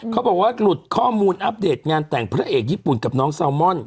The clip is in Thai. เขาบอกว่าหลุดข้อมูลอัปเดตงานแต่งพระเอกญี่ปุ่นกับน้องแซลมอน